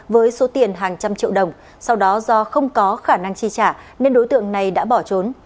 với số tiền hàng trăm triệu đồng sau đó do không có khả năng chi trả nên đối tượng này đã bỏ trốn